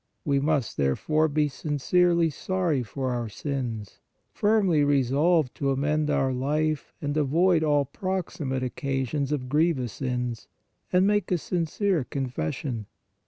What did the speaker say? We must, therefore, be sincerely sorry for our sins, firmly resolved to amend our life and avoid all proximate occasions of grievous sins, and make a sincere confession.